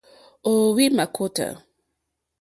Ò óhwì mâkótá.